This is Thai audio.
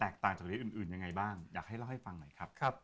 เป็นแตกต่างจากเหรียญอื่นยังไงบ้างอยากให้เล่าให้ฟังหน่อยครับ